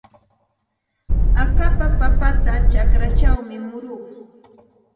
Akapa papata chakrachaw muruy.